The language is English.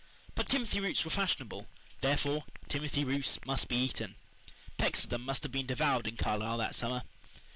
But timothy roots were fashionable, therefore timothy roots must be eaten. Pecks of them must have been devoured in Carlisle that summer.